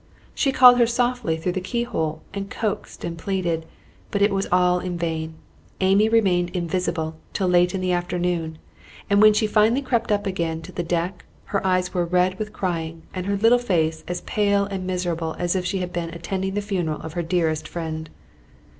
She called her softly through the key hole, and coaxed and pleaded, but it was all in vain. Amy remained invisible till late in the afternoon; and when she finally crept up again to the deck, her eyes were red with crying, and her little face as pale and miserable as if she had been attending the funeral of her dearest friend.